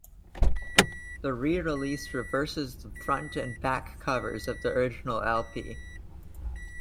The re-release reverses the front and back covers of the original lp.